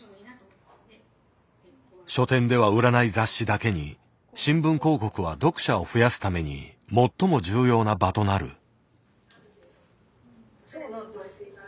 書店では売らない雑誌だけに新聞広告は読者を増やすために最も重要な場となる。